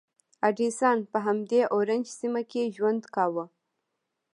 ایډېسن په همدې اورنج سیمه کې ژوند کاوه.